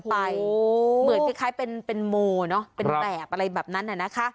เหมือนคล้ายเป็นโหมเป็นแปลกอะไรแบบนั้น